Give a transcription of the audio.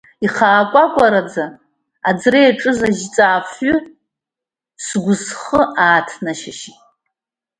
Ихаакәакәараӡа аӡра иаҿыз ажьҵаа афҩы, сгәы-схы ааҭнашьшьааит.